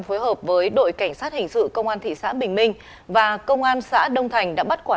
phối hợp với đội cảnh sát hình sự công an thị xã bình minh và công an xã đông thành đã bắt quả